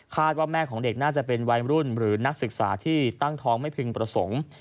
ว่าแม่ของเด็กน่าจะเป็นวัยรุ่นหรือนักศึกษาที่ตั้งท้องไม่พึงประสงค์